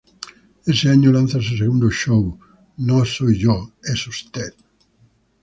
Ese año lanza su segundo show: No Soy yo… ¡Es usted!.